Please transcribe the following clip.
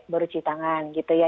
baru citangan gitu ya